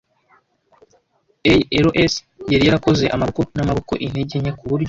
ALS yari yarakoze amaboko n'amaboko intege nke kuburyo